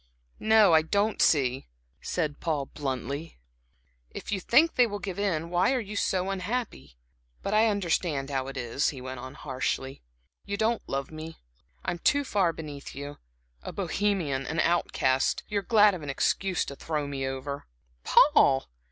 "No, I don't see," said Paul, bluntly. "If you think they will give in, why are you so unhappy? But I understand how it is" he went on, harshly, "you don't love me. I'm too far beneath you a Bohemian and an outcast. You are glad of an excuse to throw me over." "Paul!"